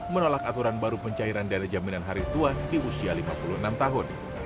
menolak aturan baru pencairan dana jaminan hari tua di usia lima puluh enam tahun